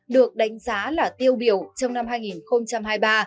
được đánh giá là tiêu biểu trong năm hai nghìn hai mươi ba